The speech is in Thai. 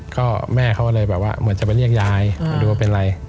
ก็แม่เขาเลยแบบว่าเหมือนจะไปเรียกยายมาดูว่าเป็นอะไร